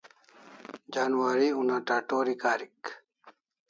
Janwari una tatori karik